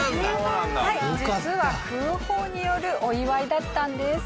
実は空砲によるお祝いだったんです。